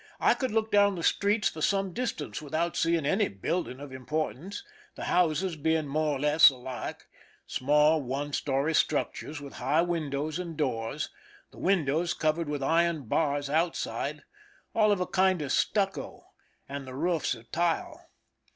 I could look down the streets for some distance without seeing any building of importance, the houses being more or less alike small one story structures with high windows and doors, the windows covered with iron bars outside, all of a kind of stucco, and the roofs of tile.